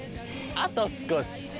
あと少し。